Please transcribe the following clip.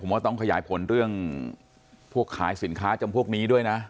ผมว่าต้องขยายผลเรื่องพวกขายสินค้าจำพวกนี้ด้วยนะ